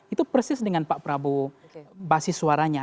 itu persis dengan pak prabowo basis suaranya